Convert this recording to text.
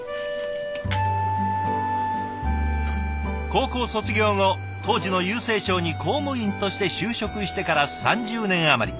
高校卒業後当時の郵政省に公務員として就職してから３０年余り。